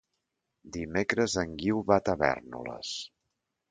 Dimecres en Guiu va a Tavèrnoles.